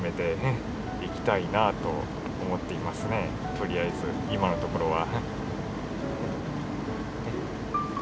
とりあえず今のところは。